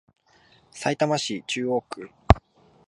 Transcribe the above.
さいたま市中央区